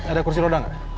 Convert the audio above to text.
ada kursi roda gak